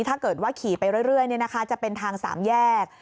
ถ้าเกิดว่าขี่ไปเรื่อยจะเป็นทางสามแยก